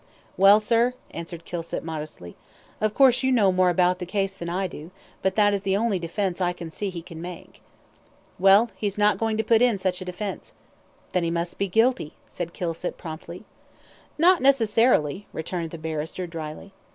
"Well, sir," answered Kilsip, modestly, "of course you know more about the case than I do, but that is the only defence I can see he can make." "Well, he's not going to put in such a defence." "Then he must be guilty," said Kilsip, promptly. "Not necessarily," returned the barrister, drily.